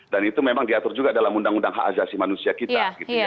dan itu memang diatur juga dalam undang undang hak asasi manusia kita